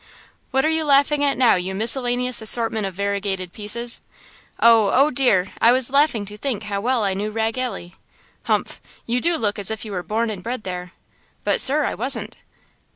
"What are you laughing at now, you miscellaneous assortment of variegated pieces?" "Oh! Oh, dear! I was laughing to think how well I knew Rag Alley!" "Humph! you do look as if you were born and bred there." "But, sir, I wasn't!"